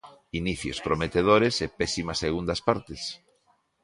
Inicios prometedores e pésimas segundas partes.